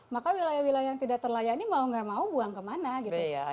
maka wilayah wilayah yang tidak terlayani mau nggak mau buang kemana gitu